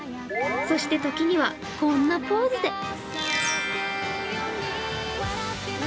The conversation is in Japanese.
そして、時にはこんなポーズで。